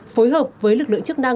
phối hợp với lực lượng chức năng